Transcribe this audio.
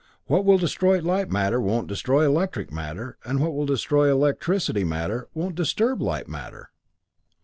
What will destroy light matter, won't destroy electricity matter, and what will destroy electricity matter, won't disturb light matter.